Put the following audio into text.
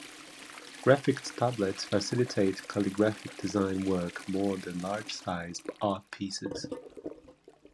Graphics tablets facilitate calligraphic design work more than large size art pieces.